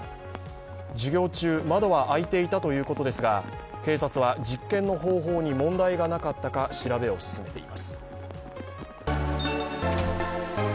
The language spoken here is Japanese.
授業中、窓は開いていたということですが警察は実験の方法に問題がなかったか調べを進めています。